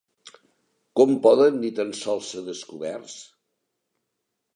Com poden ni tan sols ser descoberts?